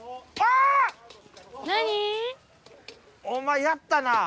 お前やったな。